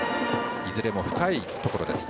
いずれも深いところです。